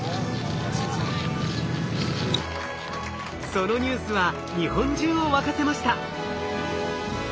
そのニュースは日本中を沸かせました。